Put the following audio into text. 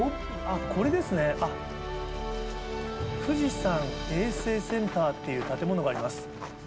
これですね、あっ、富士山衛生センターっていう建物があります。